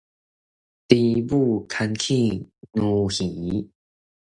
豬母牽去牛墟